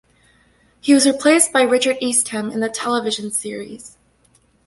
He was replaced by Richard Eastham in the television series.